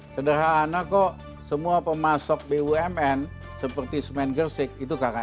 sederhana kok semua pemasok bumn seperti semen gersik itu kkn